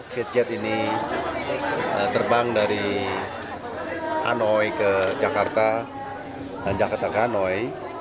vietjet ini terbang dari hanoi ke jakarta dan jakarta ke hanoi